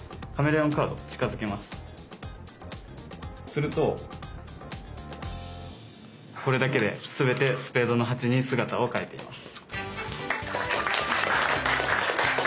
するとこれだけで全てスペードの８に姿を変えています。